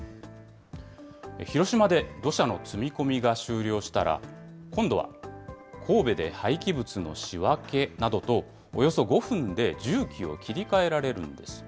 広島で土砂の積み込みが終了したら、今度は神戸で廃棄物の仕分けなどと、およそ５分で重機を切り替えられるんです。